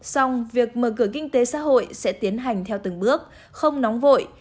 xong việc mở cửa kinh tế xã hội sẽ tiến hành theo từng bước không nóng vội